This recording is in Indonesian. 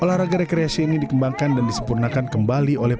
olahraga rekreasi ini dikembangkan dan disempurnakan kembali oleh